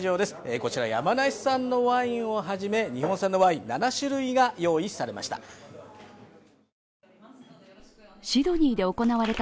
こちら山梨産のワインをはじめ日本産のワイン、７種類が用意されました。